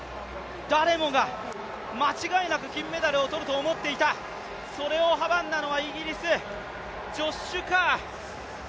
誰もが間違いなく金メダルを取ると思っていた、それを阻んだのはイギリス、ジョッシュ・カー。